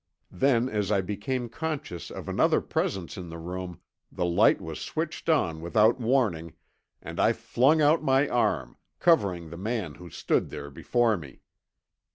Then as I became conscious of another presence in the room, the light was switched on without warning, and I flung out my arm, covering the man who stood there before me.